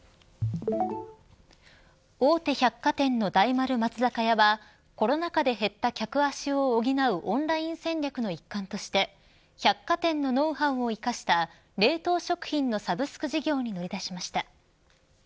大手百貨店の大丸松坂屋はコロナ禍で減った客足を補うオンライン戦略の一環として百貨店のノウハウを生かした冷凍食品のサブスク事業に乗り出しました。